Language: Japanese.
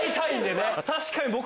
確かに僕。